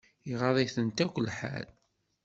Iɣaḍ-itent akk lḥal.